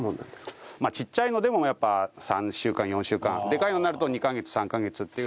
ちっちゃいのでもやっぱ３週間４週間でかいのになると２カ月３カ月っていう。